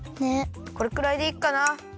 これくらいでいいかな。